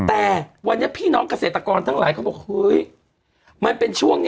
แต่วันพี่พี่น้องเกษตรกรทั้งหลายเอู้ย